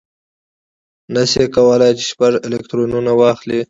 نه شي کولای چې شپږ الکترونه واخلي.